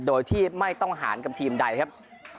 โดยที่ไม่ต้องหารกับทีมใดครับ